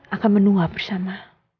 akan menua bersama